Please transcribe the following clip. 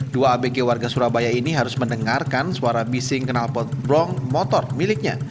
dua abg warga surabaya ini harus mendengarkan suara bising kenalpot brong motor miliknya